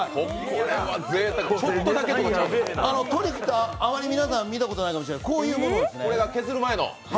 トリュフってあまり皆さん見たことないと思いますけどこういうものなんですね